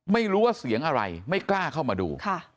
ไม่รู้ว่าเสียงอะไรไม่กล้าเข้ามาดู